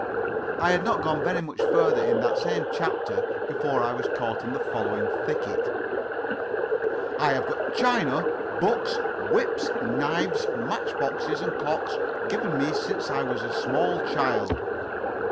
I had not gone very much further in that same chapter before I was caught in the following thicket: "I have got china, books, whips, knives, matchboxes, and clocks given me since I was a small child."